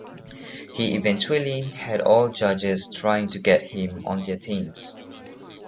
He eventually had all judges trying to get him on their teams.